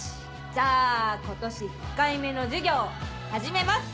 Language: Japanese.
じゃあ今年１回目の授業始めます！